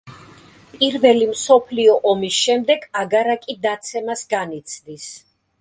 პირველი მსოფლიო ომის შემდეგ აგარაკი დაცემას განიცდის.